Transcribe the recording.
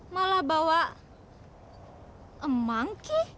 malah bawa emangki